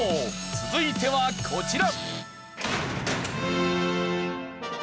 続いてはこちら。